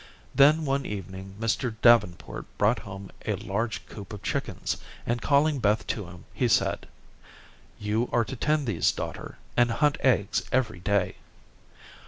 Then one evening Mr. Davenport brought home a large coop of chickens, and calling Beth to him, he said: "You are to tend these, daughter, and hunt eggs every day."